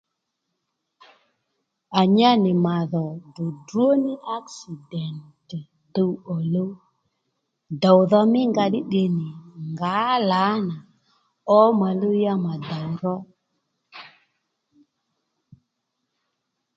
À nyá nì màdhò ddròddró ní aksident tuw ò luw dòwdha mí nga ddí tde nì ngǎ lǎnà ǒmà luw ya mà dòw ro